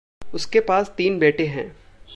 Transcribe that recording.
उसके पास तीन बेटे हैं।